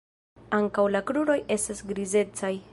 Ankaŭ la kruroj esta grizecaj.